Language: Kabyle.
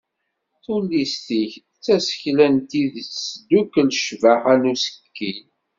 Tullist-ik d tasekla n tidet tesdukel ccbaḥa n usekkil.